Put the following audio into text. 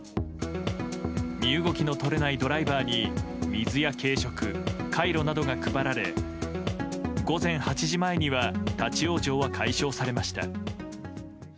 身動きの取れないドライバーに水や軽食カイロなどが配られ午前８時前には立ち往生は解消されました。